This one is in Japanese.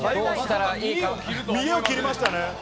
見栄を切りましたね。